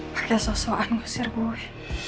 pakai sosokan ngusir gue